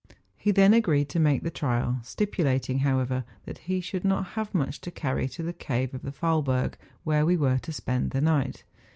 He then agreed to make the trial, stipulating, however, that he should not have much to carry to the cave of the Faulberg, where we were to spend the night.